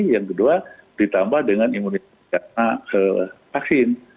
yang kedua ditambah dengan imunitas karena vaksin